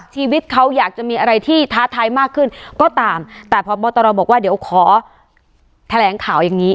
ชีวิตเขาอยากจะมีอะไรที่ท้าทายมากขึ้นก็ตามแต่พบตรบอกว่าเดี๋ยวขอแถลงข่าวอย่างนี้